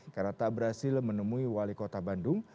karena tak berhasil menemui wali kota bandung